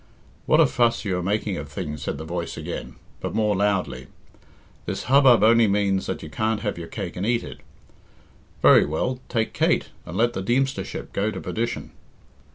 "What a fuss you are making of things," said the voice again, but more loudly. "This hubbub only means that you can't have your cake and eat it. Very well, take Kate, and let the Deemstership go to perdition."